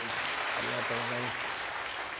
ありがとうございます。